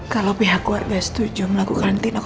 kalau pihak keluarga setuju melakukan tindakan operasi